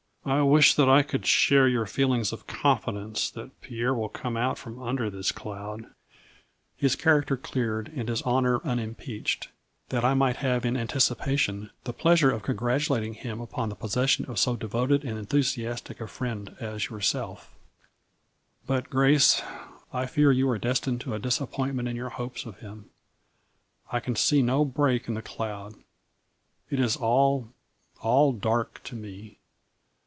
I wish that I could share your feelings of confidence that Pierre will come out from under this cloud, his char 152 A FLURRY IN DIAMONDS. acter cleared and his honor unimpeached, that I might have in anticipation the pleasure of congratulating him upon the possession of so devoted and enthusiastic a friend as yourself. But, Grace, I fear you are destined to a disap pointment in your hopes of him. I can see no break in the cloud. It is all, all dark to me."